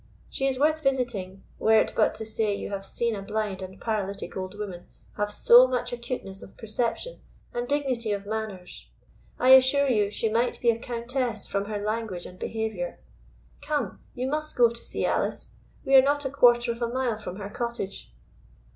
She is worth visiting, were it but to say you have seen a blind and paralytic old woman have so much acuteness of perception and dignity of manners. I assure you, she might be a countess from her language and behaviour. Come, you must go to see Alice; we are not a quarter of a mile from her cottage."